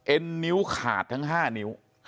นิ้วขาดทั้ง๕นิ้ว